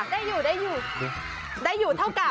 ได้อยู่ได้อยู่